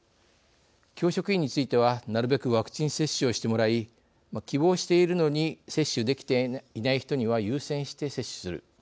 教職員については、なるべくワクチン接種をしてもらい希望しているのに接種できていない人には優先して接種する。